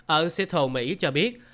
ở seattle mỹ cho biết